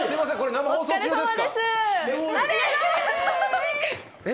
生放送中ですか？